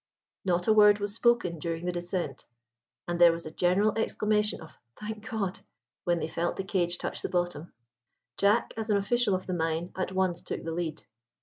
Not a word was spoken during the descent, and there was a general exclamation of "Thank God!" when they felt the cage touch the bottom. Jack, as an official of the mine, at once took the lead.